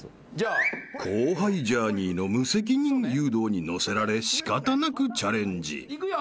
［後輩ジャーニーの無責任誘導に乗せられ仕方なくチャレンジ］いくよ。